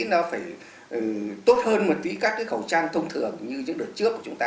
nó phải tốt hơn một tí các cái khẩu trang thông thường như những đợt trước của chúng ta